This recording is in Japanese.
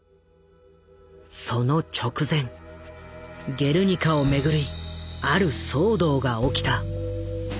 その直前「ゲルニカ」を巡りある騒動が起きた。